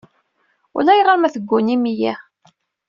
Ulayɣer ma teggunim-iyi.